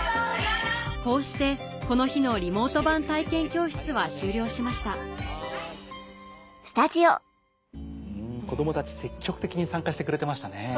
こうしてこの日のリモート版体験教室は終了しました子供たち積極的に参加してくれてましたね。